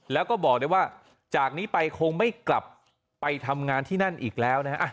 แล้วก็บอกได้ว่าจากนี้ไปคงไม่กลับไปทำงานที่นั่นอีกแล้วนะฮะ